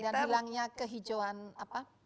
dan hilangnya kehijauan apa